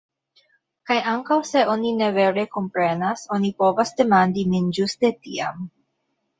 Kaj ankaŭ se oni ne vere komprenas, oni povas demandi min ĝuste tiam.